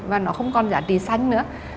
và nó không còn giá trị xanh nữa